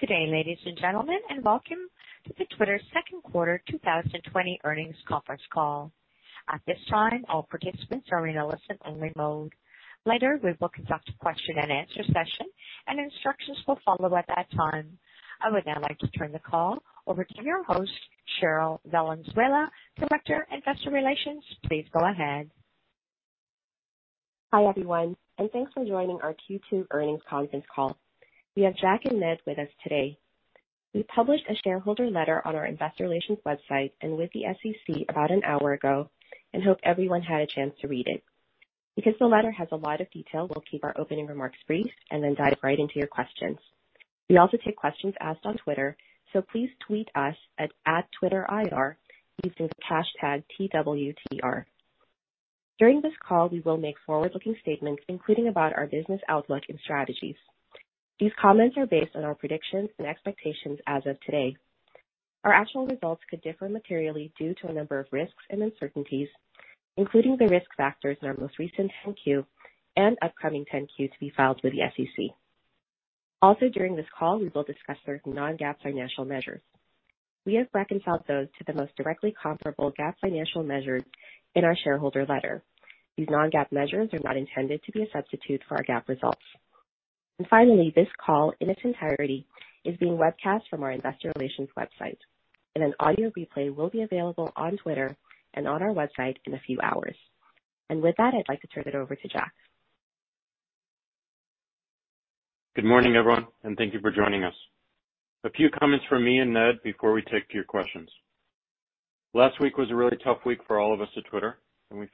Good day, ladies and gentlemen, and welcome to the Twitter Second Quarter 2020 Earnings Conference Call. At this time, all participants are in a listen-only mode. Later, we will conduct a question-and-answer session, and instructions will follow at that time. I would now like to turn the call over to your host, Cherryl Valenzuela, Director, Investor Relations. Please go ahead. Hi, everyone, and thanks for joining our Q2 Earnings Conference Call. We have Jack and Ned with us today. We published a shareholder letter on our investor relations website and with the SEC about an hour ago and hope everyone had a chance to read it. Because the letter has a lot of detail, we'll keep our opening remarks brief and then dive right into your questions. We also take questions asked on Twitter, so please tweet us at @TwitterIR using the hashtag #TWTR. During this call, we will make forward-looking statements, including about our business outlook and strategies. These comments are based on our predictions and expectations as of today. Our actual results could differ materially due to a number of risks and uncertainties, including the risk factors in our most recent 10-Q and upcoming 10-Q to be filed with the SEC. Also, during this call, we will discuss certain non-GAAP financial measures. We have reconciled those to the most directly comparable GAAP financial measures in our shareholder letter. These non-GAAP measures are not intended to be a substitute for our GAAP results. Finally, this call in its entirety is being webcast from our investor relations website, and an audio replay will be available on Twitter and on our website in a few hours. With that, I'd like to turn it over to Jack. Good morning, everyone, and thank you for joining us. A few comments from me and Ned before we take your questions. Last week was a really tough week for all of us at Twitter, and we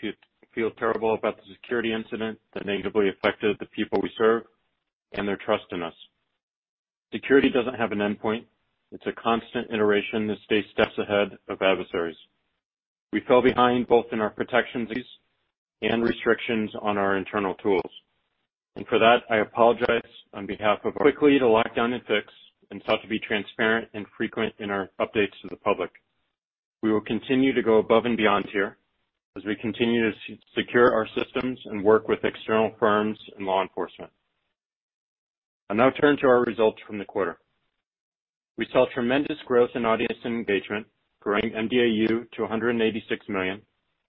feel terrible about the security incident that negatively affected the people we serve and their trust in us. Security doesn't have an endpoint. It's a constant iteration that stays steps ahead of adversaries. We fell behind both in our protections and restrictions on our internal tools. For that, I apologize on behalf of our team. We moved quickly to lock down and fix and sought to be transparent and frequent in our updates to the public. We will continue to go above and beyond here as we continue to secure our systems and work with external firms and law enforcement. I'll now turn to our results from the quarter. We saw tremendous growth in audience engagement, growing mDAU to 186 million,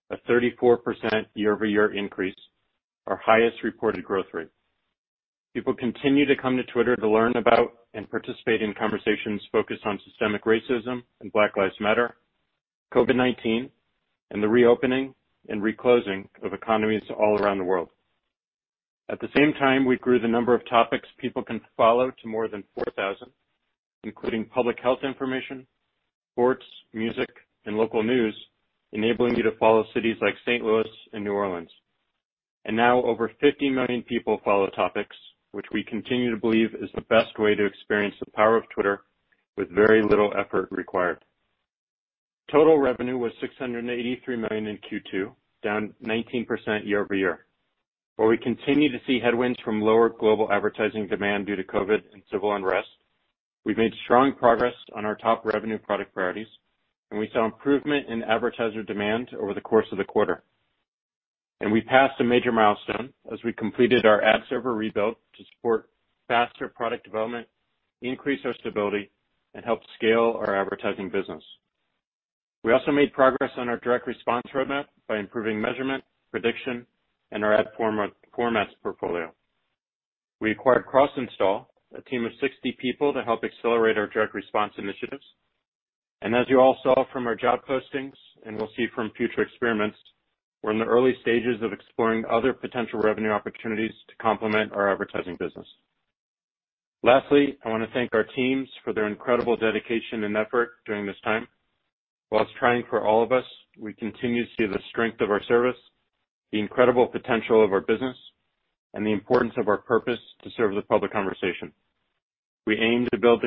a 34% year-over-year increase, our highest reported growth rate. People continue to come to Twitter to learn about and participate in conversations focused on systemic racism and Black Lives Matter, COVID-19, and the reopening and re-closing of economies all around the world. At the same time, we grew the number of topics people can follow to more than 4,000, including public health information, sports, music, and local news, enabling you to follow cities like St. Louis and New Orleans. Now over 50 million people follow topics, which we continue to believe is the best way to experience the power of Twitter with very little effort required. Total revenue was $683 million in Q2, down 19% year-over-year. While we continue to see headwinds from lower global advertising demand due to COVID-19 and civil unrest, we've made strong progress on our top revenue product priorities. We saw improvement in advertiser demand over the course of the quarter. We passed a major milestone as we completed our ad server rebuild to support faster product development, increase our stability, and help scale our advertising business. We also made progress on our direct response roadmap by improving measurement, prediction, and our ad formats portfolio. We acquired CrossInstall, a team of 60 people to help accelerate our direct response initiatives. As you all saw from our job postings and will see from future experiments, we're in the early stages of exploring other potential revenue opportunities to complement our advertising business. Lastly, I want to thank our teams for their incredible dedication and effort during this time. While it's trying for all of us, we continue to see the strength of our service, the incredible potential of our business, and the importance of our purpose to serve the public conversation. We aim to build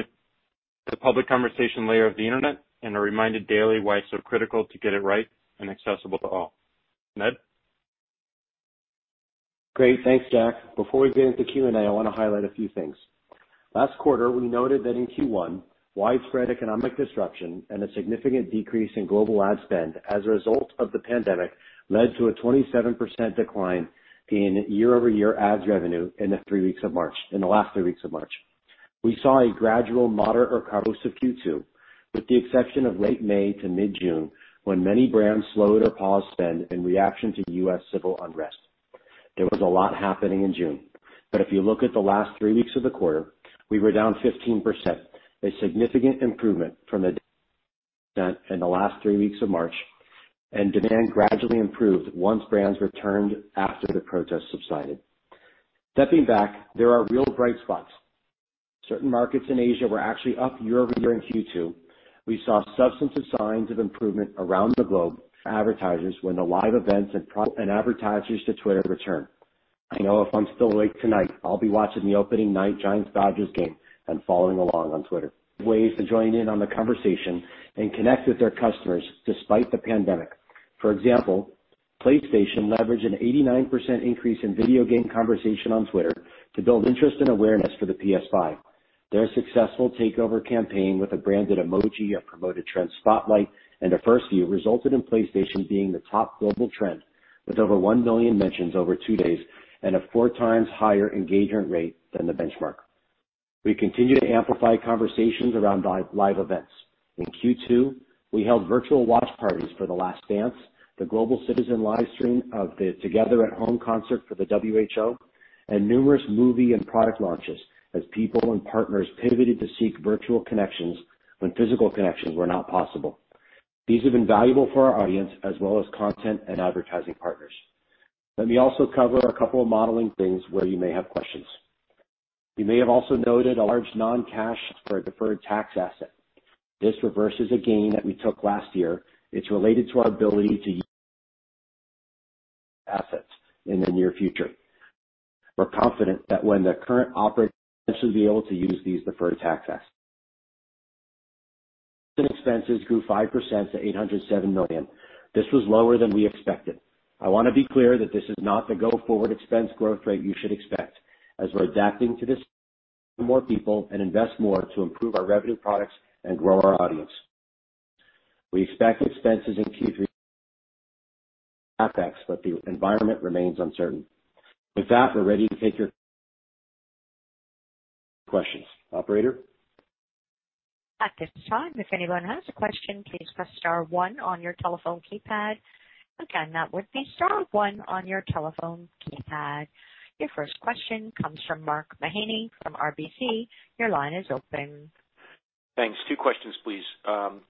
the public conversation layer of the Internet and are reminded daily why it's so critical to get it right and accessible to all. Ned. Great. Thanks, Jack. Before we get into Q&A, I want to highlight a few things. Last quarter, we noted that in Q1, widespread economic disruption and a significant decrease in global ad spend as a result of the pandemic led to a 27% decline in year-over-year ads revenue in the last three weeks of March. We saw a gradual moderate recovery through Q2, with the exception of late May to mid-June, when many brands slowed or paused spend in reaction to U.S. civil unrest. There was a lot happening in June. If you look at the last three weeks of the quarter, we were down 15%, a significant improvement from a decline of 27% in the last three weeks of March, and demand gradually improved once brands returned after the protests subsided. Stepping back, there are real bright spots. Certain markets in Asia were actually up year-over-year in Q2. We saw substantive signs of improvement around the globe from advertisers when the live events and advertisers to Twitter returned. I know if I'm still awake tonight, I'll be watching the opening night Giants vs. Dodgers game and following along on Twitter. Brands found ways to join in on the conversation and connect with their customers despite the pandemic. For example, PlayStation leveraged an 89% increase in video game conversation on Twitter to build interest and awareness for the PS5. Their successful takeover campaign with a branded emoji, a Promoted Trend Spotlight, and a First View resulted in PlayStation being the top global trend with over 1 million mentions over two days and a four times higher engagement rate than the benchmark. We continue to amplify conversations around live events. In Q2, we held virtual watch parties for The Last Dance, the Global Citizen livestream of the Together at Home Concert for the WHO, and numerous movie and product launches as people and partners pivoted to seek virtual connections when physical connections were not possible. These have been valuable for our audience as well as content and advertising partners. Let me also cover a couple of modeling things where you may have questions. You may have also noted a large non-cash for a deferred tax asset. This reverses a gain that we took last year. It's related to our ability to use assets in the near future. We're confident that in the current operating environment, we should be able to use these deferred tax assets. Expenses grew 5% to $807 million. This was lower than we expected. I want to be clear that this is not the go-forward expense growth rate you should expect, as we're adapting to this environment by hiring more people and investing more to improve our revenue products and grow our audience. We expect expenses in Q3 to grow 10% or more and to grow capex, but the environment remains uncertain. The environment remains uncertain. With that, we're ready to take your questions. Operator? At this time, if anyone has a question, please press star one on your telephone keypad. Again, that would be star one on your telephone keypad. Your first question comes from Mark Mahaney from RBC. Your line is open. Thanks. Two questions, please.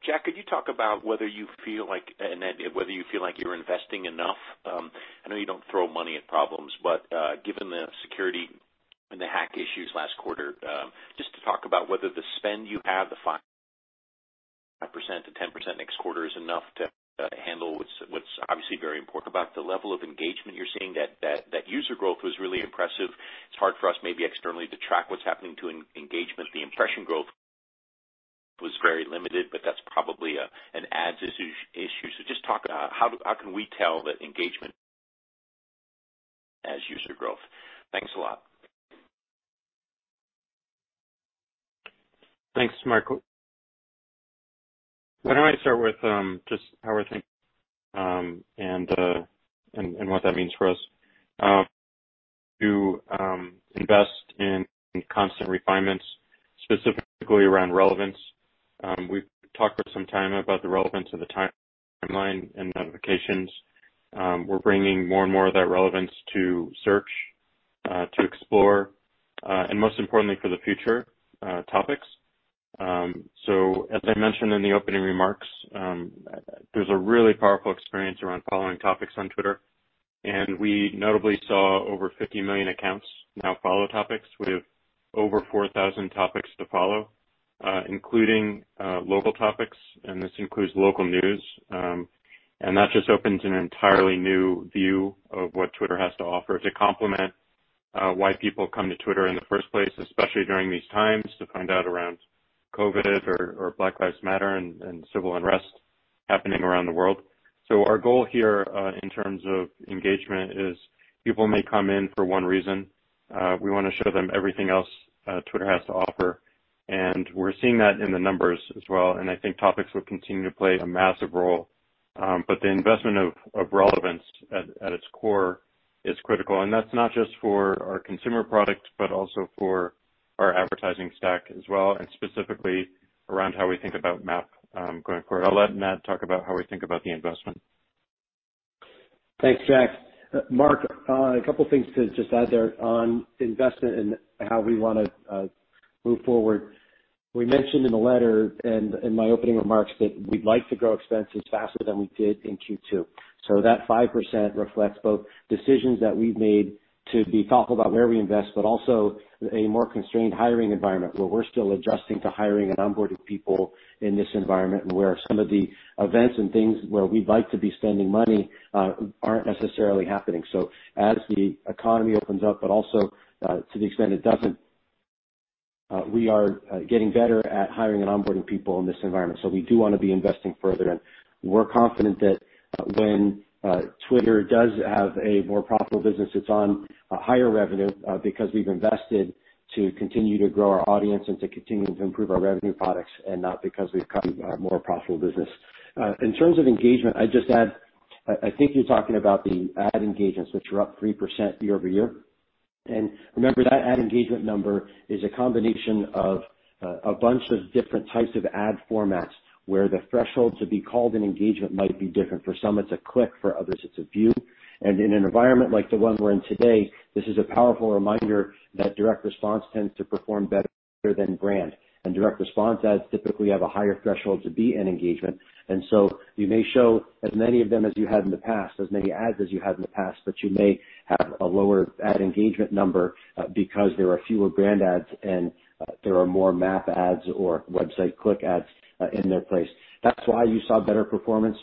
Jack, could you talk about whether you feel like you're investing enough? I know you don't throw money at problems. Given the security and the hack issues last quarter, just to talk about whether the spend you have, the 5%-10% next quarter is enough to handle what's obviously very important. About the level of engagement you're seeing, that user growth was really impressive. It's hard for us maybe externally to track what's happening to engagement. The impression growth was very limited. That's probably an ads issue. Just talk, how can we tell that engagement as user growth? Thanks a lot. Thanks, Mark. Why don't I start with just how I think and what that means for us to invest in constant refinements, specifically around relevance. We've talked for some time about the relevance of the timeline and notifications. We're bringing more and more of that relevance to search, to explore, and most importantly for the future, topics. As I mentioned in the opening remarks, there's a really powerful experience around following topics on Twitter, and we notably saw over 50 million accounts now follow topics. We have over 4,000 topics to follow, including local topics, and this includes local news. That just opens an entirely new view of what Twitter has to offer to complement why people come to Twitter in the first place, especially during these times, to find out around COVID or Black Lives Matter and civil unrest happening around the world. Our goal here, in terms of engagement, is people may come in for one reason. We want to show them everything else Twitter has to offer, and we're seeing that in the numbers as well. I think topics will continue to play a massive role. The investment of relevance at its core is critical. That's not just for our consumer product, but also for our advertising stack as well, and specifically around how we think about MAP going forward. I'll let Ned talk about how we think about the investment. Thanks, Jack. Mark, a couple things to just add there on investment and how we want to move forward. We mentioned in the letter and in my opening remarks that we'd like to grow expenses faster than we did in Q2. That 5% reflects both decisions that we've made to be thoughtful about where we invest, but also a more constrained hiring environment where we're still adjusting to hiring and onboarding people in this environment, and where some of the events and things where we'd like to be spending money aren't necessarily happening. As the economy opens up, but also to the extent it doesn't, we are getting better at hiring and onboarding people in this environment. We do want to be investing further, and we're confident that when Twitter does have a more profitable business, it's on a higher revenue, because we've invested to continue to grow our audience and to continue to improve our revenue products and not because we've cut a more profitable business. In terms of engagement, I'd just add, I think you're talking about the ad engagements, which are up 3% year-over-year. Remember, that ad engagement number is a combination of a bunch of different types of ad formats, where the threshold to be called an engagement might be different. For some, it's a click, for others, it's a view. In an environment like the one we're in today, this is a powerful reminder that direct response tends to perform better than brand. Direct response ads typically have a higher threshold to be an engagement. You may show as many of them as you had in the past, as many ads as you had in the past, but you may have a lower ad engagement number because there are fewer brand ads and there are more MAP ads or website click ads in their place. That's why you saw better performance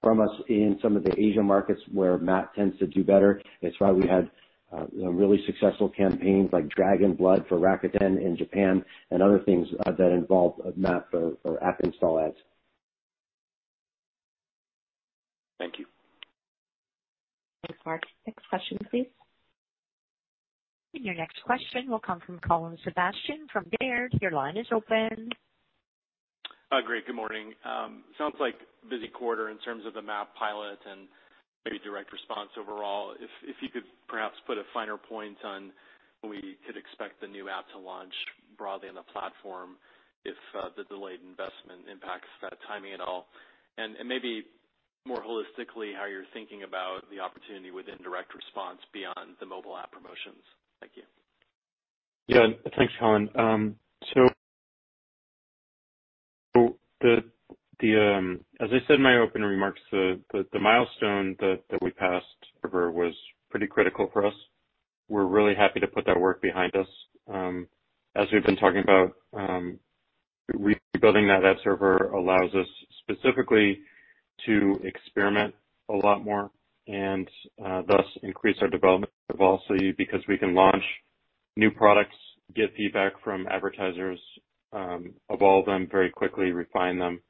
from us in some of the Asia markets where MAP tends to do better. It's why we had really successful campaigns like Dragon Blood for Tencent in Japan and other things that involve MAP for app install ads. Thank you. Thanks, Mark. Next question, please. Your next question will come from Colin Sebastian from Baird. Your line is open. Great. Good morning. Sounds like busy quarter in terms of the MAP pilot and maybe direct response overall. If you could perhaps put a finer point on when we could expect the new app to launch broadly on the platform, if the delayed investment impacts that timing at all? Maybe more holistically, how you're thinking about the opportunity within direct response beyond the mobile app promotions? Thank you. Yeah. Thanks, Colin. As I said in my opening remarks, the milestone that we passed was pretty critical for us. We're really happy to put that work behind us. As we've been talking about, rebuilding that ad server allows us specifically to experiment a lot more and, thus, increase our development velocity, because we can launch new products, get feedback from advertisers, evolve them very quickly, refine them,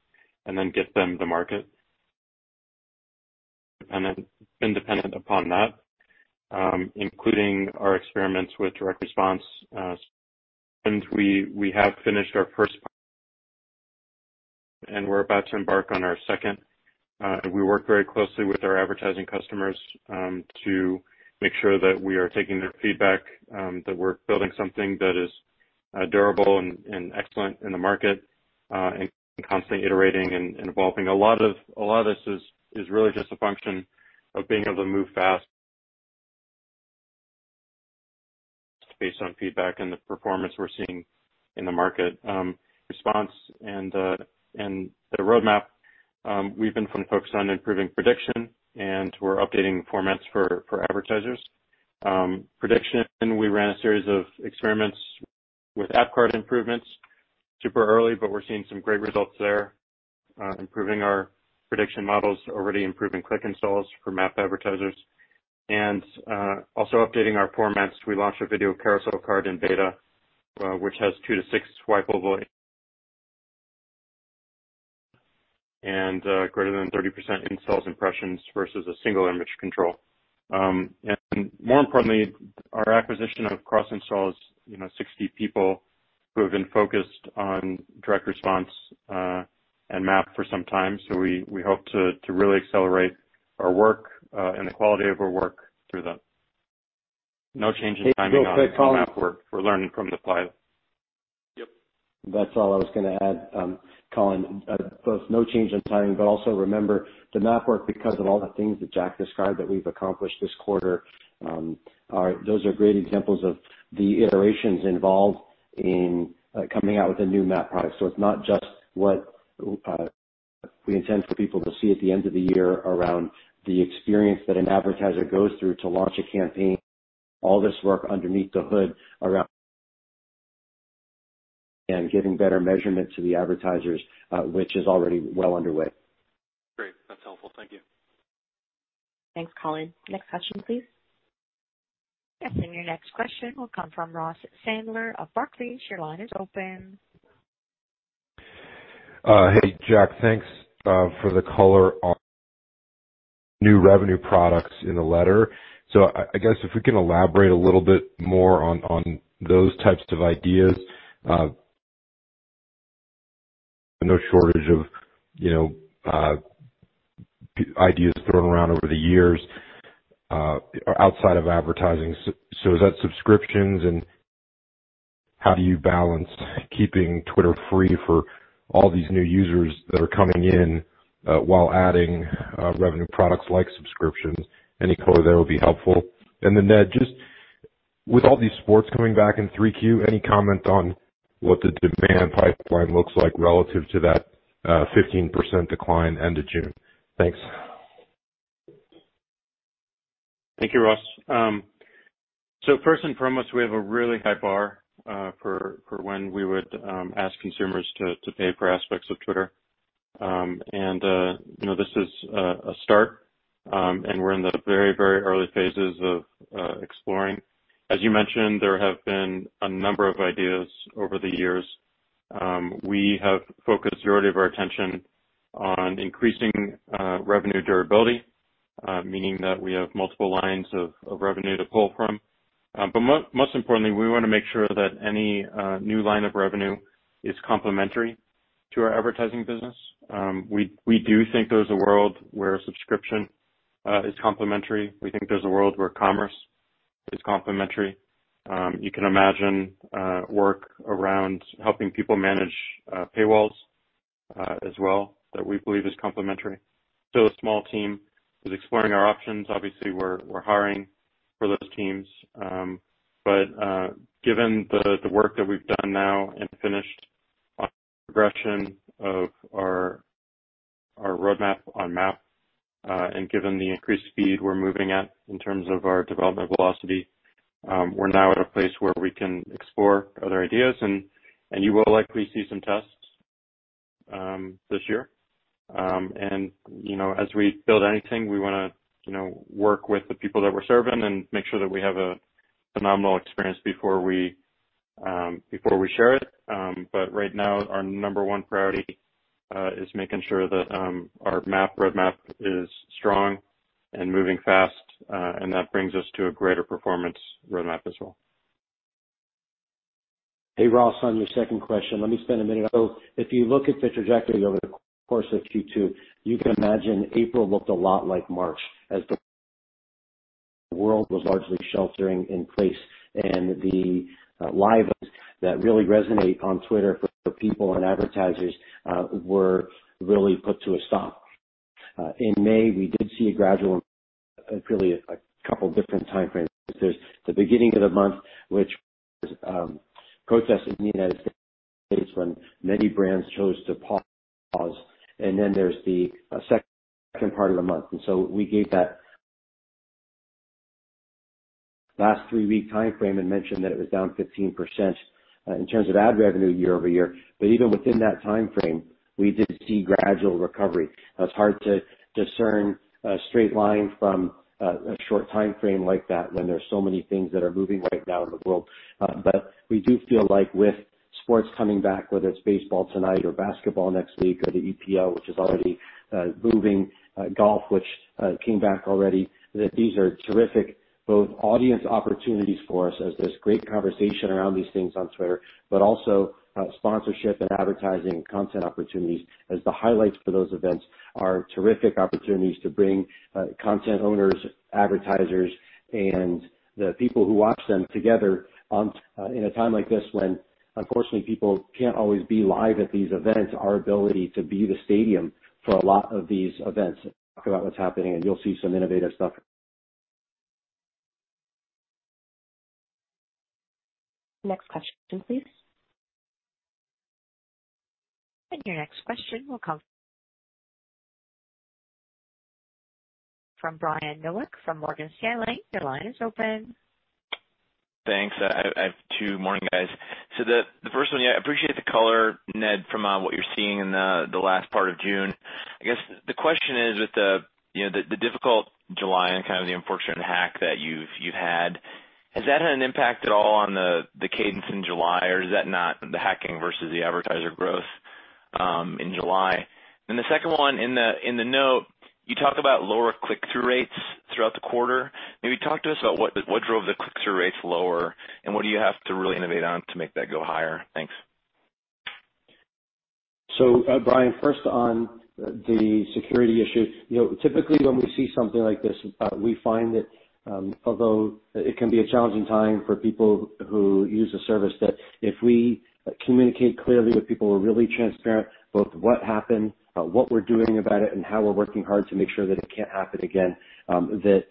and then get them to market. Independent upon that, including our experiments with direct response, and we have finished our first, and we're about to embark on our second. We work very closely with our advertising customers to make sure that we are taking their feedback, that we're building something that is durable and excellent in the market, and constantly iterating and evolving. A lot of this is really just a function of being able to move fast based on feedback and the performance we're seeing in the market. Response and the roadmap. We've been focused on improving prediction, we're updating formats for advertisers. Prediction, we ran a series of experiments with app card improvements. Super early, we're seeing some great results there. Improving our prediction models, already improving click installs for MAP advertisers, also updating our formats. We launched a video carousel card in beta, which has two to six swipeable and greater than 30% installs impressions versus a single image control. More importantly, our acquisition of CrossInstall is 60 people who have been focused on direct response and MAP for some time. We hope to really accelerate our work and the quality of our work through that. No change in timing on MAP work. We're learning from the pilot. Yep. That's all I was going to add, Colin. Also remember the MAP work because of all the things that Jack described that we've accomplished this quarter, those are great examples of the iterations involved in coming out with a new MAP product. It's not just what we intend for people to see at the end of the year around the experience that an advertiser goes through to launch a campaign. All this work underneath the hood around and giving better measurement to the advertisers, which is already well underway. Great. That's helpful. Thank you. Thanks, Colin. Next question, please. Yes, your next question will come from Ross Sandler of Barclays. Your line is open. Hey, Jack. Thanks for the color on new revenue products in the letter. I guess if we can elaborate a little bit more on those types of ideas. No shortage of ideas thrown around over the years outside of advertising. Is that subscriptions, and how do you balance keeping Twitter free for all these new users that are coming in, while adding revenue products like subscriptions? Any color there would be helpful. Ned, just with all these sports coming back in 3Q, any comment on what the demand pipeline looks like relative to that 15% decline end of June? Thanks. Thank you, Ross. First and foremost, we have a really high bar for when we would ask consumers to pay for aspects of Twitter. This is a start, and we're in the very early phases of exploring. As you mentioned, there have been a number of ideas over the years. We have focused the majority of our attention on increasing revenue durability, meaning that we have multiple lines of revenue to pull from. Most importantly, we want to make sure that any new line of revenue is complementary to our advertising business. We do think there's a world where subscription is complementary. We think there's a world where commerce is complementary. You can imagine work around helping people manage paywalls as well, that we believe is complementary. A small team is exploring our options. Obviously, we're hiring for those teams. Given the work that we've done now and finished on progression of our roadmap on MAP, and given the increased speed we're moving at in terms of our development velocity, we're now at a place where we can explore other ideas, and you will likely see some tests this year. As we build anything, we want to work with the people that we're serving and make sure that we have a phenomenal experience before we share it. Right now, our number one priority is making sure that our MAP roadmap is strong and moving fast. That brings us to a greater performance roadmap as well. Hey, Ross, on your second question, let me spend a minute. If you look at the trajectory over the course of Q2, you can imagine April looked a lot like March as the world was largely sheltering in place, and the lives that really resonate on Twitter for people and advertisers were really put to a stop. In May, we did see a gradual, really a couple different time frames. There's the beginning of the month, which was protests in the United States when many brands chose to pause, and then there's the second part of the month. We gave that last three-week time frame and mentioned that it was down 15% in terms of ad revenue year-over-year. Even within that time frame, we did see gradual recovery. It's hard to discern a straight line from a short time frame like that when there's so many things that are moving right now in the world. We do feel like with sports coming back, whether it's baseball tonight or basketball next week, or the EPL, which is already moving, golf, which came back already, that these are terrific, both audience opportunities for us as there's great conversation around these things on Twitter, but also sponsorship and advertising content opportunities as the highlights for those events are terrific opportunities to bring content owners, advertisers, and the people who watch them together in a time like this when, unfortunately, people can't always be live at these events. Our ability to be the stadium for a lot of these events, talk about what's happening, you'll see some innovative stuff. Next question, please. Your next question will come from Brian Nowak from Morgan Stanley. Your line is open. Thanks. I have two. Morning, guys. The first one, I appreciate the color, Ned, from what you're seeing in the last part of June. I guess the question is with the difficult July and kind of the unfortunate hack that you've had, has that had an impact at all on the cadence in July, or is that not the hacking versus the advertiser growth in July? The second one, in the note, you talk about lower click-through rates throughout the quarter. Maybe talk to us about what drove the click-through rates lower and what do you have to really innovate on to make that go higher? Thanks. Brian, first on the security issue. Typically, when we see something like this, we find that although it can be a challenging time for people who use the service, that if we communicate clearly with people, we're really transparent, both what happened, what we're doing about it, and how we're working hard to make sure that it can't happen again, that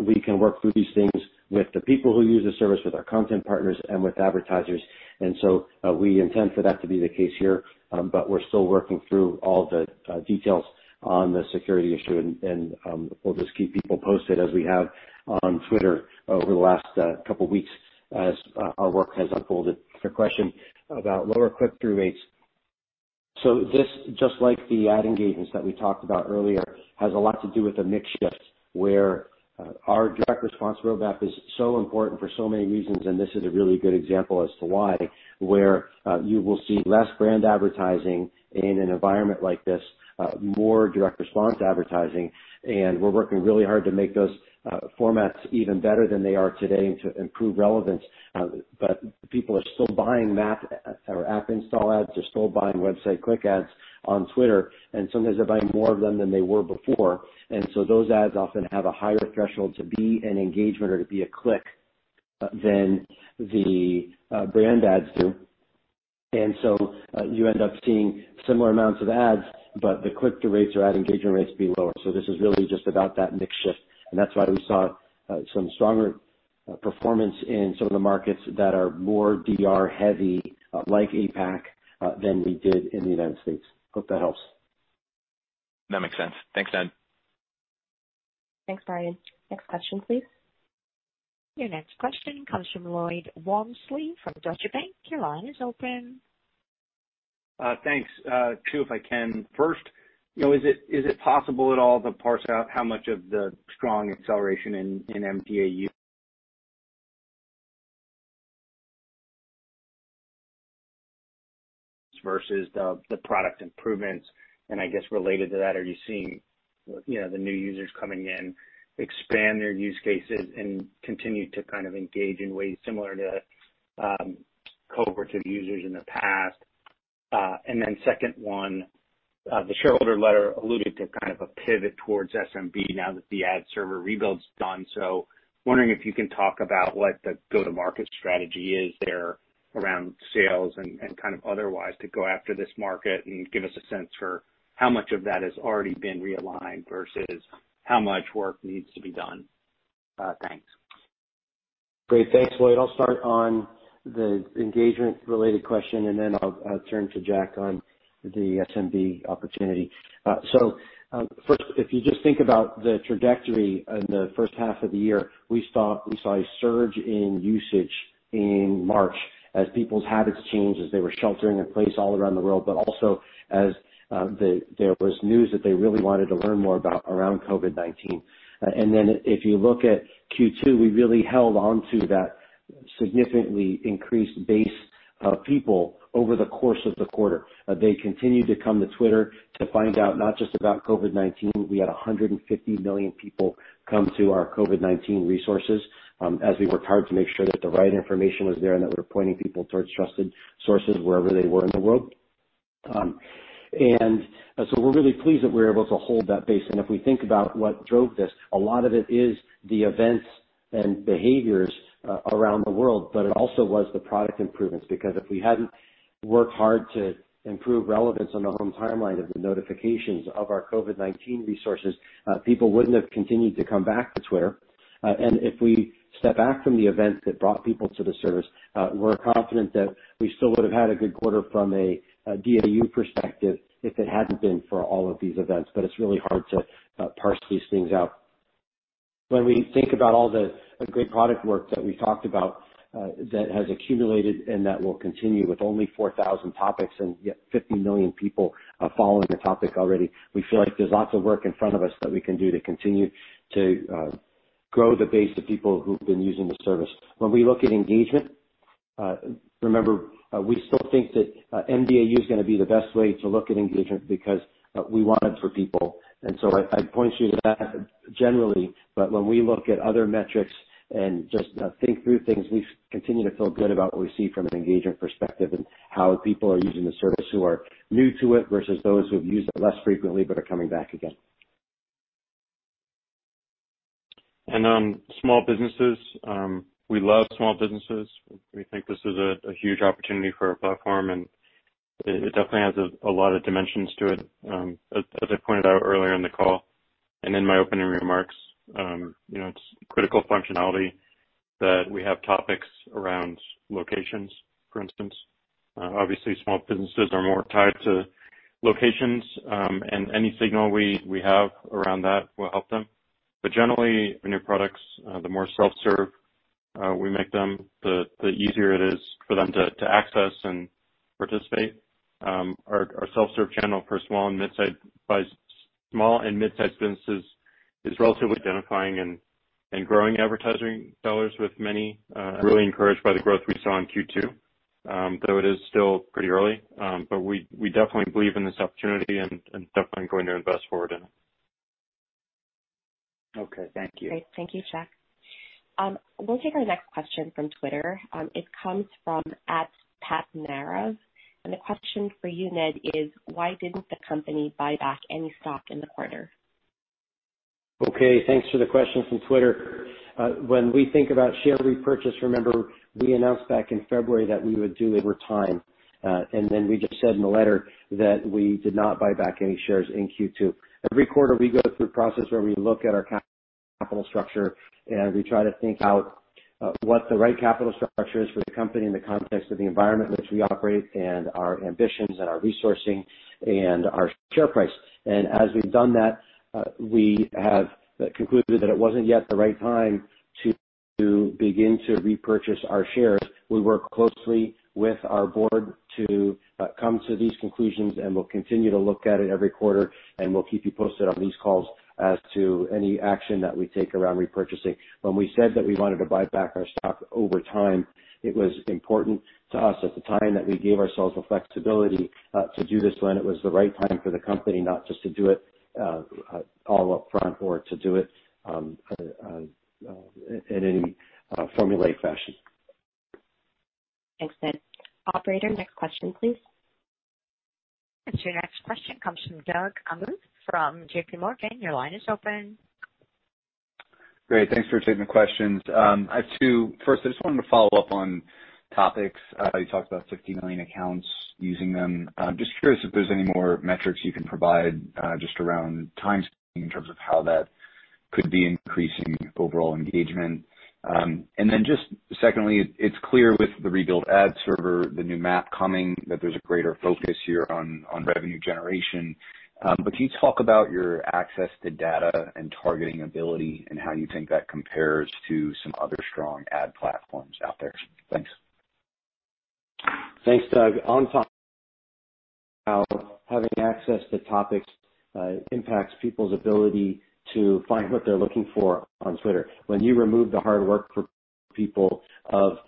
we can work through these things with the people who use the service, with our content partners and with advertisers. We intend for that to be the case here, but we're still working through all the details on the security issue, and we'll just keep people posted as we have on Twitter over the last couple of weeks as our work has unfolded. Your question about lower click-through rates. This, just like the ad engagements that we talked about earlier, has a lot to do with a mix shift where our direct response roadmap is so important for so many reasons, and this is a really good example as to why, where you will see less brand advertising in an environment like this, more direct response advertising. We're working really hard to make those formats even better than they are today and to improve relevance. People are still buying MAP or app install ads. They're still buying website click ads on Twitter, and sometimes they're buying more of them than they were before. Those ads often have a higher threshold to be an engagement or to be a click than the brand ads do. You end up seeing similar amounts of ads, but the click-through rates or ad engagement rates be lower. This is really just about that mix shift, and that's why we saw some stronger performance in some of the markets that are more DR heavy, like APAC, than we did in the United States. Hope that helps. That makes sense. Thanks, Ned. Thanks, Brian. Next question, please. Your next question comes from Lloyd Walmsley from Deutsche Bank. Your line is open. Thanks. Two, if I can. First, is it possible at all to parse out how much of the strong acceleration in mDAU versus the product improvements? I guess related to that, are you seeing the new users coming in expand their use cases and continue to kind of engage in ways similar to cohort of users in the past? Second one, the shareholder letter alluded to kind of a pivot towards SMB now that the ad server rebuild's done. Wondering if you can talk about what the go-to-market strategy is there around sales and kind of otherwise to go after this market and give us a sense for how much of that has already been realigned versus how much work needs to be done. Thanks. Great. Thanks, Lloyd. I'll start on the engagement related question, and then I'll turn to Jack on the SMB opportunity. First, if you just think about the trajectory in the first half of the year, we saw a surge in usage in March as people's habits changed, as they were sheltering in place all around the world, but also as there was news that they really wanted to learn more about around COVID-19. If you look at Q2, we really held on to that significantly increased base people over the course of the quarter. They continued to come to Twitter to find out not just about COVID-19. We had 150 million people come to our COVID-19 resources as we worked hard to make sure that the right information was there and that we're pointing people towards trusted sources wherever they were in the world. We're really pleased that we were able to hold that base. If we think about what drove this, a lot of it is the events and behaviors around the world, but it also was the product improvements because if we hadn't worked hard to improve relevance on the home timeline of the notifications of our COVID-19 resources, people wouldn't have continued to come back to Twitter. If we step back from the events that brought people to the service, we're confident that we still would have had a good quarter from a DAU perspective if it hadn't been for all of these events, but it's really hard to parse these things out. When we think about all the great product work that we talked about that has accumulated and that will continue with only 4,000 topics and yet 50 million people are following a topic already, we feel like there's lots of work in front of us that we can do to continue to grow the base of people who've been using the service. When we look at engagement, remember, we still think that mDAU is going to be the best way to look at engagement because we want it for people. I'd point you to that generally, but when we look at other metrics and just think through things, we continue to feel good about what we see from an engagement perspective and how people are using the service who are new to it versus those who have used it less frequently but are coming back again. On small businesses, we love small businesses. We think this is a huge opportunity for our platform, and it definitely has a lot of dimensions to it. As I pointed out earlier in the call and in my opening remarks, it's critical functionality that we have topics around locations, for instance. Obviously, small businesses are more tied to locations, and any signal we have around that will help them. Generally, in your products, the more self-serve we make them, the easier it is for them to access and participate. Our self-serve channel for small and mid-sized businesses is relatively identifying and growing advertising dollars with many. Really encouraged by the growth we saw in Q2, though it is still pretty early. We definitely believe in this opportunity and definitely going to invest forward in it. Okay. Thank you. Great. Thank you, Jack. We'll take our next question from Twitter. It comes from @PatNarrows. The question for you, Ned, is: Why didn't the company buy back any stock in the quarter? Okay. Thanks for the question from Twitter. When we think about share repurchase, remember we announced back in February that we would do over time. We just said in the letter that we did not buy back any shares in Q2. Every quarter, we go through a process where we look at our capital structure, and we try to think out what the right capital structure is for the company in the context of the environment in which we operate and our ambitions and our resourcing and our share price. As we've done that, we have concluded that it wasn't yet the right time to begin to repurchase our shares. We work closely with our board to come to these conclusions, and we'll continue to look at it every quarter, and we'll keep you posted on these calls as to any action that we take around repurchasing. When we said that we wanted to buy back our stock over time, it was important to us at the time that we gave ourselves the flexibility to do this when it was the right time for the company, not just to do it all up front or to do it in any formulaic fashion. Thanks, Ned. Operator, next question, please. Your next question comes from Doug Anmuth from JPMorgan. Your line is open. Great. Thanks for taking the questions. I have two. First, I just wanted to follow up on topics. You talked about 50 million accounts using them. Just curious if there's any more metrics you can provide just around time in terms of how that could be increasing overall engagement. Secondly, it's clear with the rebuild ad server, the new MAP coming, that there's a greater focus here on revenue generation. Can you talk about your access to data and targeting ability and how you think that compares to some other strong ad platforms out there? Thanks. Thanks, Doug. On top how having access to topics impacts people's ability to find what they're looking for on Twitter. When you remove the hard work for people of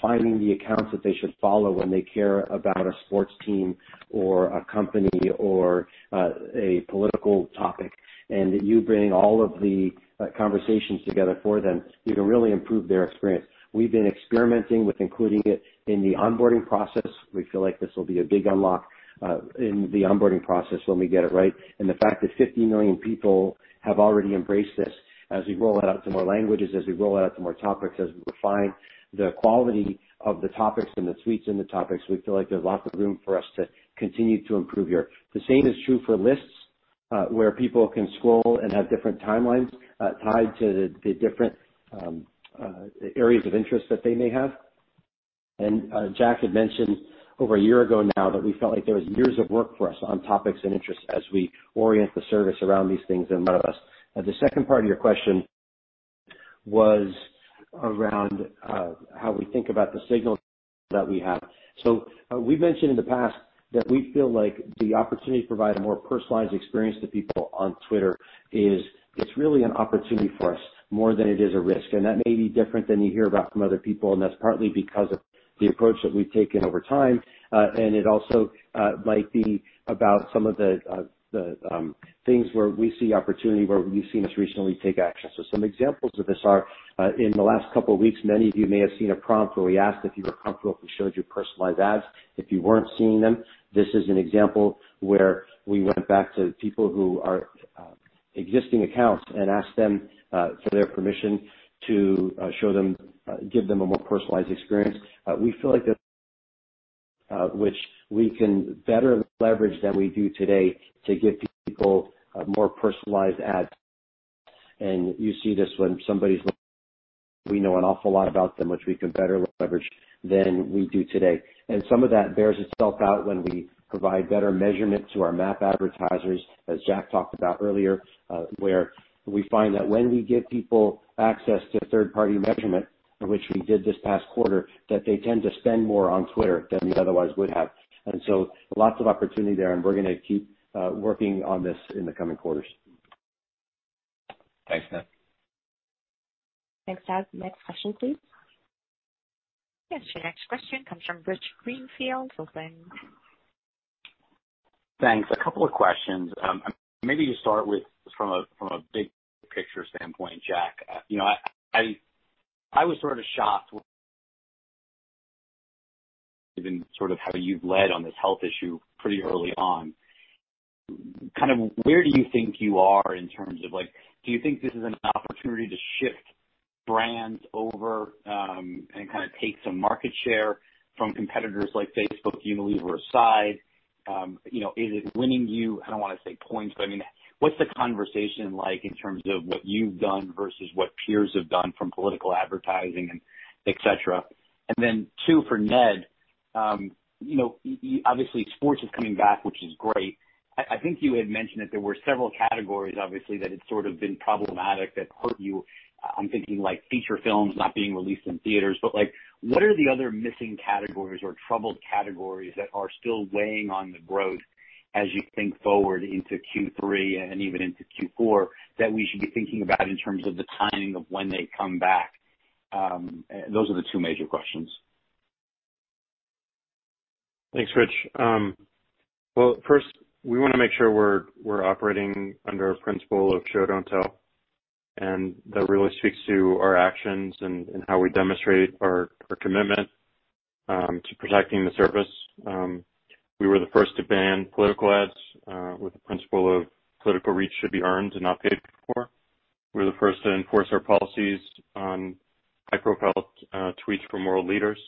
finding the accounts that they should follow when they care about a sports team or a company or a political topic, and you bring all of the conversations together for them, you can really improve their experience. We've been experimenting with including it in the onboarding process. We feel like this will be a big unlock in the onboarding process when we get it right. The fact that 50 million people have already embraced this as we roll it out to more languages, as we roll it out to more topics, as we refine the quality of the topics and the tweets in the topics, we feel like there's lots of room for us to continue to improve here. The same is true for lists, where people can scroll and have different timelines tied to the different areas of interest that they may have. Jack had mentioned over a year ago now that we felt like there was years of work for us on topics and interests as we orient the service around these things. The second part of your question was around how we think about the signals that we have. We've mentioned in the past that we feel like the opportunity to provide a more personalized experience to people on Twitter is really an opportunity for us more than it is a risk. That may be different than you hear about from other people, and that's partly because of the approach that we've taken over time. It also might be about some of the things where we see opportunity, where you've seen us recently take action. Some examples of this are, in the last couple of weeks, many of you may have seen a prompt where we asked if you were comfortable if we showed you personalized ads, if you weren't seeing them. This is an example where we went back to people who are existing accounts and asked them for their permission to give them a more personalized experience. We feel like that, which we can better leverage than we do today to give people more personalized ads. You see this when somebody's like, we know an awful lot about them, which we can better leverage than we do today. Some of that bears itself out when we provide better measurement to our MAP advertisers, as Jack talked about earlier, where we find that when we give people access to third-party measurement, which we did this past quarter, that they tend to spend more on Twitter than we otherwise would have. Lots of opportunity there, and we're going to keep working on this in the coming quarters. Thanks, Ned. Thanks, Ned. Next question, please. Yes, your next question comes from Rich Greenfield from LightShed Partners. Thanks. A couple of questions. Maybe you start with from a big-picture standpoint, Jack. I was sort of shocked, given how you've led on this health issue pretty early on. Where do you think you are in terms of, do you think this is an opportunity to shift brands over and take some market share from competitors like Facebook, Unilever aside? Is it winning you, I don't want to say points, but what's the conversation like in terms of what you've done versus what peers have done from political advertising and et cetera? Two for Ned. Obviously, sports is coming back, which is great. I think you had mentioned that there were several categories, obviously, that had sort of been problematic, that hurt you. I'm thinking like feature films not being released in theaters. What are the other missing categories or troubled categories that are still weighing on the growth as you think forward into Q3 and even into Q4, that we should be thinking about in terms of the timing of when they come back? Those are the two major questions. Thanks, Rich. Well, first, we want to make sure we're operating under a principle of show, don't tell. That really speaks to our actions and how we demonstrate our commitment to protecting the service. We were the first to ban political ads with the principle of political reach should be earned and not paid for. We're the first to enforce our policies on high-profile tweets from world leaders.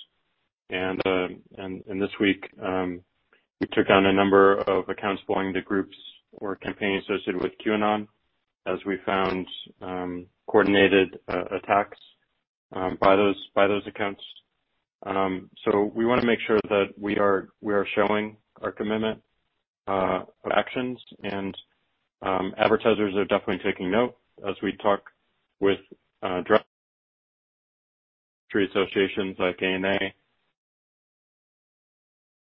This week, we took down a number of accounts belonging to groups or campaigns associated with QAnon, as we found coordinated attacks by those accounts. We want to make sure that we are showing our commitment, our actions, and advertisers are definitely taking note as we talk with industry associations like ANA.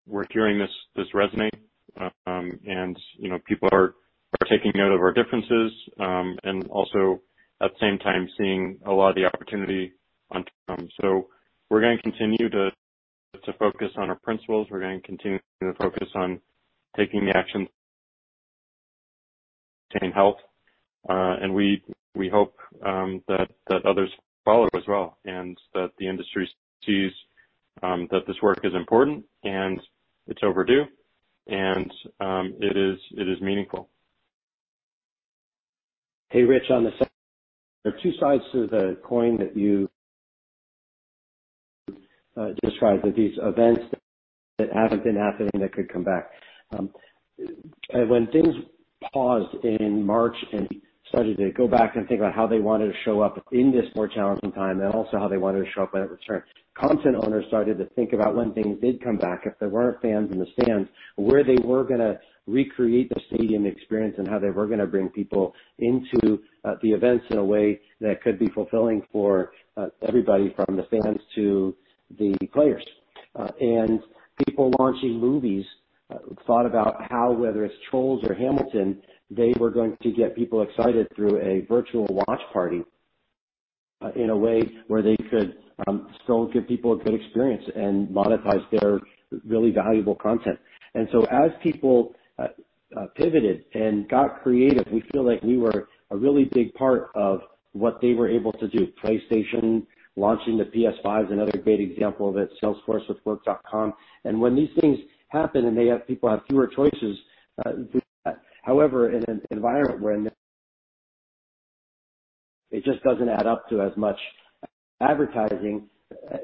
We're hearing this resonate, and people are taking note of our differences. Also at the same time, seeing a lot of the opportunity on Trump. We're going to continue to focus on our principles. We're going to continue to focus on taking the action to obtain health, and we hope that others follow as well, and that the industry sees that this work is important and it's overdue and it is meaningful. Hey, Rich, on the second. There are two sides to the coin that you described, that these events that haven't been happening, that could come back when things paused in March and started to go back and think about how they wanted to show up in this more challenging time, and also how they wanted to show up when it returned. Content owners started to think about when things did come back, if there weren't fans in the stands, where they were going to recreate the stadium experience and how they were going to bring people into the events in a way that could be fulfilling for everybody, from the fans to the players. People launching movies thought about how, whether it's "Trolls" or "Hamilton," they were going to get people excited through a virtual watch party in a way where they could still give people a good experience and monetize their really valuable content. As people pivoted and got creative, we feel like we were a really big part of what they were able to do. PlayStation launching the PS5 is another great example of it. Salesforce with Work.com. When these things happen and people have fewer choices, however, in an environment when it just doesn't add up to as much advertising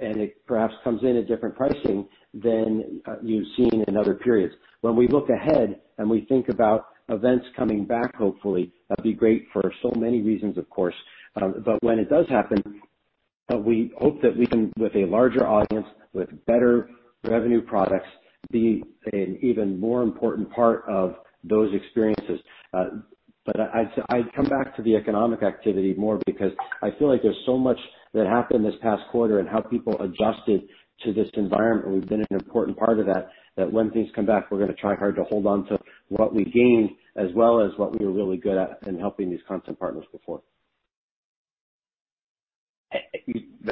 and it perhaps comes in at different pricing than you've seen in other periods. When we look ahead and we think about events coming back, hopefully, that'd be great for so many reasons, of course. When it does happen, we hope that we can, with a larger audience, with better revenue products, be an even more important part of those experiences. I'd come back to the economic activity more because I feel like there's so much that happened this past quarter and how people adjusted to this environment, we've been an important part of that. When things come back, we're going to try hard to hold on to what we gained as well as what we were really good at in helping these content partners before.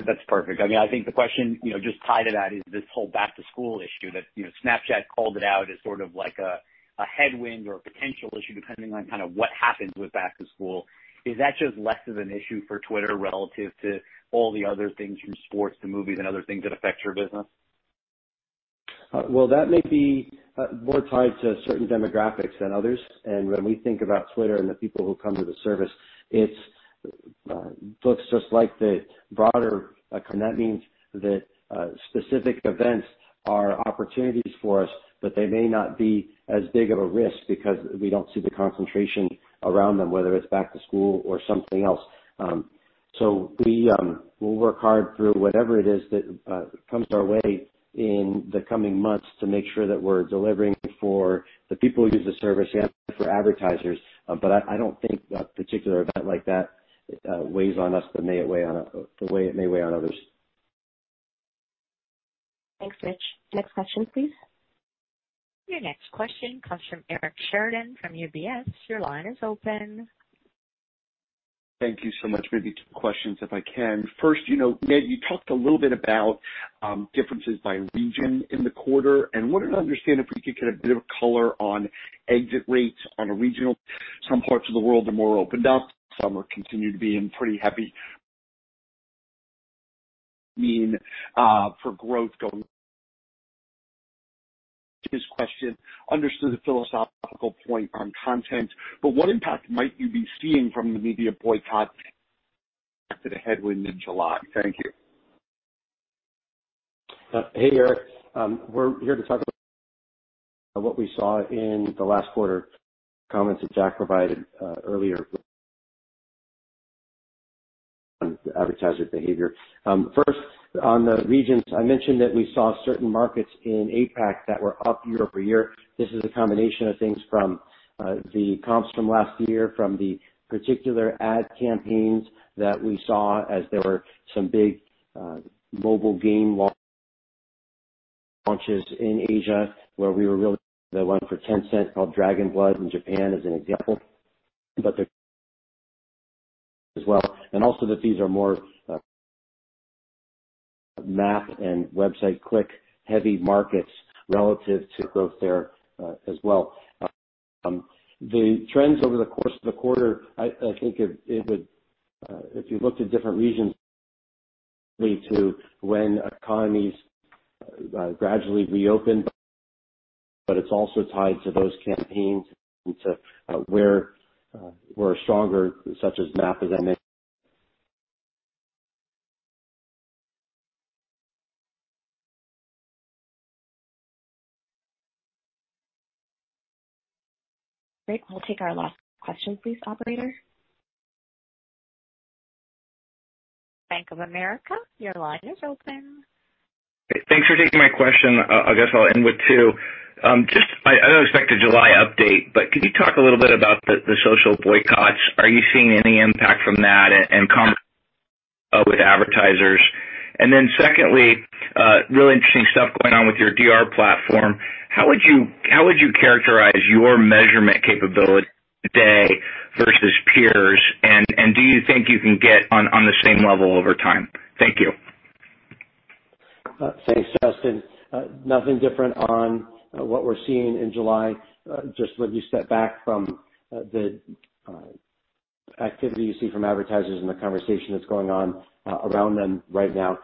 That's perfect. I think the question just tied to that is this whole back-to-school issue that Snapchat called it out as sort of like a headwind or a potential issue depending on what happens with back to school. Is that just less of an issue for Twitter relative to all the other things from sports to movies and other things that affect your business? That may be more tied to certain demographics than others. When we think about Twitter and the people who come to the service, it looks just like the broader economy. That means that specific events are opportunities for us, but they may not be as big of a risk because we don't see the concentration around them, whether it's back to school or something else. We'll work hard through whatever it is that comes our way in the coming months to make sure that we're delivering for the people who use the service and for advertisers. I don't think a particular event like that weighs on us the way it may weigh on others. Thanks, Rich. Next question, please. Your next question comes from Eric Sheridan from UBS. Your line is open. Thank you so much. Maybe two questions if I can. First, Ned, you talked a little bit about differences by region in the quarter, and wanted to understand if we could get a bit of color on exit rates on a regional. Some parts of the world are more open, some continue to be in pretty heavy lockdowns, but we expect that growth to continue. This question understood the philosophical point on content, but what impact might you be seeing from the media boycott as a headwind in July? Thank you. Hey, Eric. We're here to talk about what we saw in the last quarter, comments that Jack provided earlier. Advertiser behavior. First, on the regions, I mentioned that we saw certain markets in APAC that were up year-over-year. This is a combination of things from the comps from last year, from the particular ad campaigns that we saw as there were some big mobile game launches in Asia, where we were really the one for Tencent called Dragon Blood in Japan, as an example. There as well, and also that these are more MAP and website click heavy markets relative to growth there as well. The trends over the course of the quarter, I think if you looked at different regions to when economies gradually reopened. It's also tied to those campaigns and to where we're stronger, such as MAP, as I mentioned. Great. We'll take our last question, please, operator. Justin Post from Bank of America, your line is open. Thanks for taking my question. I guess I'll end with two. Just, I don't expect a July update, but could you talk a little bit about the social boycotts? Are you seeing any impact from that and conversations with advertisers? Secondly, really interesting stuff going on with your DR platform. How would you characterize your measurement capability today versus peers? Do you think you can get on the same level over time? Thank you. Thanks, Justin. Nothing different on what we're seeing in July. Just when you step back from the activity you see from advertisers and the conversation that's going on around them right now.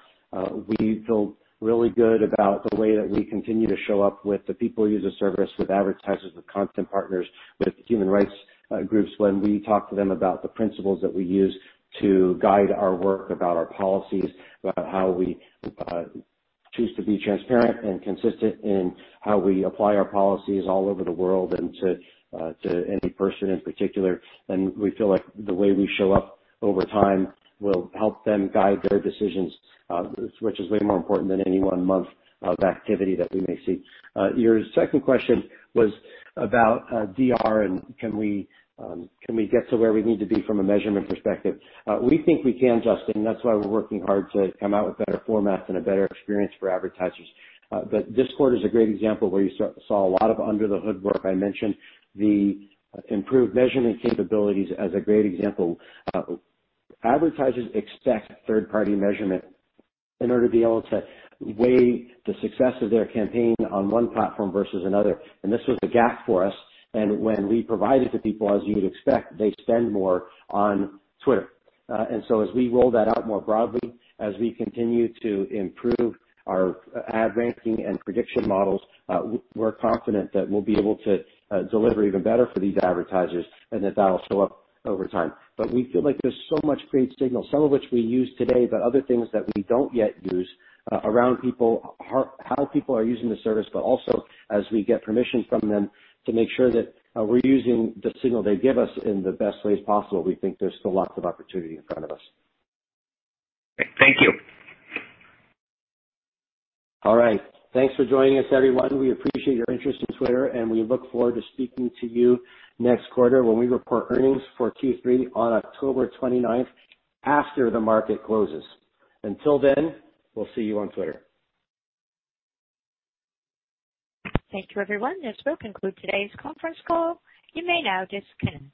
We feel really good about the way that we continue to show up with the people who use the service, with advertisers, with content partners, with human rights groups when we talk to them about the principles that we use to guide our work, about our policies, about how we choose to be transparent and consistent in how we apply our policies all over the world and to any person in particular. We feel like the way we show up over time will help them guide their decisions, which is way more important than any one month of activity that we may see. Your second question was about DR and can we get to where we need to be from a measurement perspective. We think we can, Justin. That's why we're working hard to come out with better formats and a better experience for advertisers. This quarter is a great example where you saw a lot of under-the-hood work. I mentioned the improved measurement capabilities as a great example. Advertisers expect third-party measurement in order to be able to weigh the success of their campaign on one platform versus another. This was a gap for us. When we provide it to people, as you would expect, they spend more on Twitter. As we roll that out more broadly, as we continue to improve our ad ranking and prediction models, we're confident that we'll be able to deliver even better for these advertisers and that that'll show up over time. We feel like there's so much great signal, some of which we use today, but other things that we don't yet use around how people are using the service, but also as we get permission from them to make sure that we're using the signal they give us in the best way possible. We think there's still lots of opportunity in front of us. Thank you. All right. Thanks for joining us, everyone. We appreciate your interest in Twitter, and we look forward to speaking to you next quarter when we report earnings for Q3 on October 29th, after the market closes. Until then, we'll see you on Twitter. Thank you, everyone. This will conclude today's conference call. You may now disconnect.